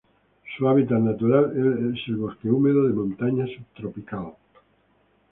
Su hábitat natural es el bosque húmedo de montaña subtropical.